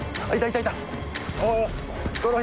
はい。